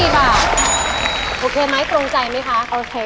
โอเคไหมตรงใจไหมคะโอเค